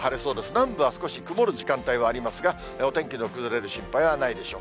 南部は少し曇る時間帯はありますが、お天気の崩れる心配はないでしょう。